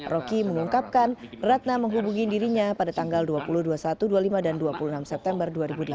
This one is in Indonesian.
roky mengungkapkan ratna menghubungi dirinya pada tanggal dua puluh dua puluh satu dua puluh lima dan dua puluh enam september dua ribu delapan belas